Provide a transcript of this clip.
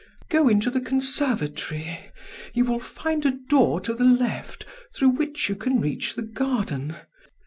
Go into the conservatory. You will find a door to the left through which you can reach the garden.